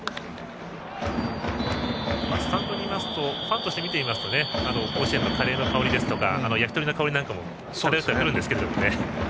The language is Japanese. スタンドでファンとして見ていますと甲子園のカレーの香りですとか焼き鳥の香りですとかも漂ってくるんですけどね。